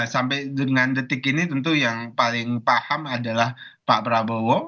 sampai dengan detik ini tentu yang paling paham adalah pak prabowo